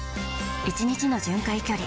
１日の巡回距離